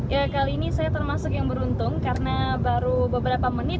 ya kali ini saya termasuk yang beruntung karena baru beberapa menit